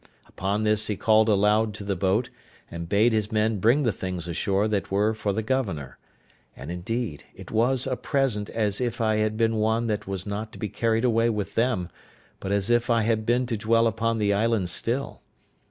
Upon this, he called aloud to the boat, and bade his men bring the things ashore that were for the governor; and, indeed, it was a present as if I had been one that was not to be carried away with them, but as if I had been to dwell upon the island still.